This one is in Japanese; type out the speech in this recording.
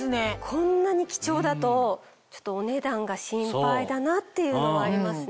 こんなに貴重だとちょっとお値段が心配だなっていうのはありますね。